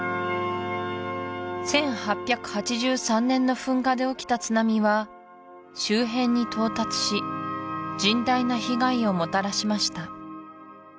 １８８３年の噴火で起きた津波は周辺に到達し甚大な被害をもたらしました